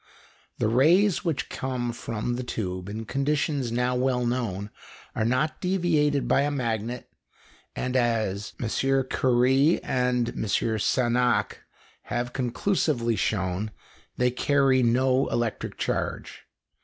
The rays which come from the tube, in conditions now well known, are not deviated by a magnet, and, as M. Curie and M. Sagnac have conclusively shown, they carry no electric charge.